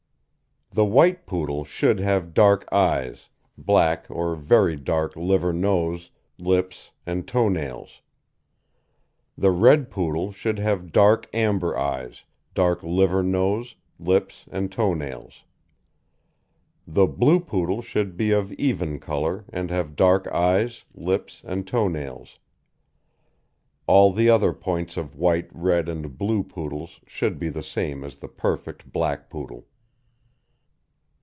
THE WHITE POODLE should have dark eyes, black or very dark liver nose, lips, and toe nails. THE RED POODLE should have dark amber eyes, dark liver nose, lips, and toe nails. THE BLUE POODLE should be of even colour, and have dark eyes, lips, and toe nails. All the other points of White, Red, and Blue poodles should be the same as the perfect Black Poodle.